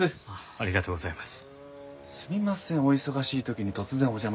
ありがとうございます。